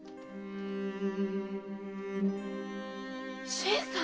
・新さん！